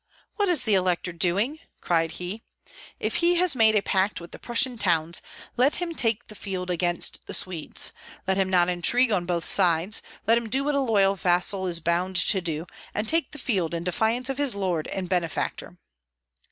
"What is the elector doing?" cried he. "If he has made a pact with the Prussian towns, let him take the field against the Swedes, let him not intrigue on both sides, let him do what a loyal vassal is bound to do, and take the field in defence of his lord and benefactor."